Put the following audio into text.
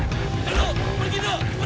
sebelumnya mereka ngejar kita